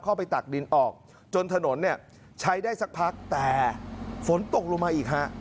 ไปตักดินออกจนถนนเนี่ยใช้ได้สักพักแต่ฝนตกลงมาอีกฮะ